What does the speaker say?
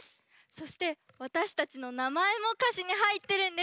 そしてわたしたちのなまえもかしにはいってるんです。